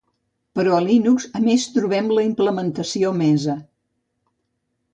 Però a Linux a més trobem la implementació Mesa.